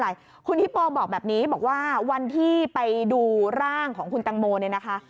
อะไรคุณฮิปโปบอกแบบนี้บอกว่าวันที่ไปดูร่างของคุณตังโมเนี่ยนะคะ